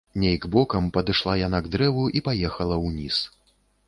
Нейк бокам падышла яна к дрэву і паехала ўніз.